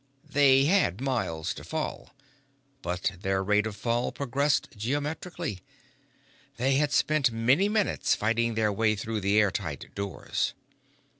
They had miles to fall, but their rate of fall progressed geometrically. They had spent many minutes fighting their way through the air tight doors.